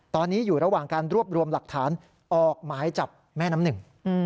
ตอนนี้อยู่ระหว่างการรวบรวมหลักฐานออกหมายจับแม่น้ำหนึ่ง